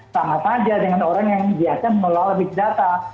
sama saja dengan orang yang biasa mengelola big data